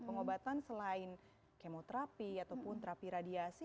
pengobatan selain kemoterapi ataupun terapi radiasi